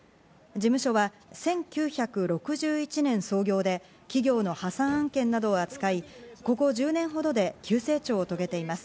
事務所は１９６１年創業で企業の破産案件などを扱い、ここ１０年ほどで急成長を遂げています。